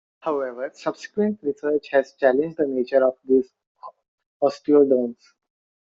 However, subsequent research has challenged the nature of these osteoderms.